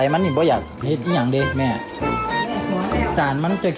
มีอย่างไรอย่างนี้ง่ายคือ